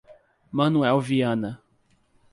Manoel Viana